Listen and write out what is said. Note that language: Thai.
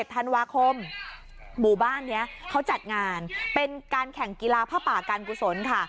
ธันวาคมหมู่บ้านนี้เขาจัดงานเป็นการแข่งกีฬาผ้าป่าการกุศลค่ะ